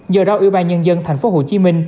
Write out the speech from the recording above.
do đó ủy ban nhân dân tp hcm